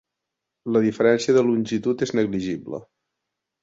La diferència de longitud és negligible.